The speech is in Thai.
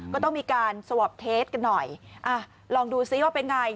ก็ต้องมีการสวอปเทสกันหน่อยลองดูซิว่าเป็นไง